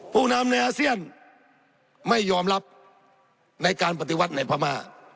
ผู้นำในอาเซียนไม่ยอมรับในการปฏิวัติในพม่า